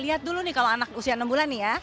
lihat dulu nih kalau anak usia enam bulan nih ya